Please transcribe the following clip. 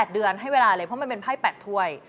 ๘เดือนให้เวลาเลยเพราะมันเป็นไพ่๘ถ้วย